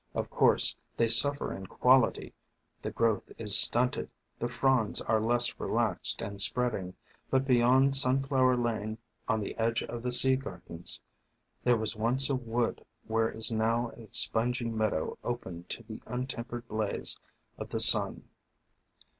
Of course they suffer in quality, the growth is stunted, the fronds are less relaxed and spreading, but beyond Sun flower Lane, on the edge of the Sea Gardens, there was once a wood where is now a spongy meadow opened to the untempered blaze of the THE FANTASIES OF FERNS 1 95 sun.